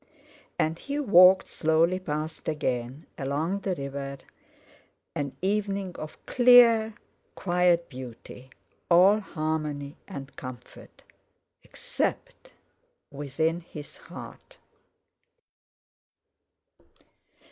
And he walked slowly past again, along the river—an evening of clear, quiet beauty, all harmony and comfort, except within his heart.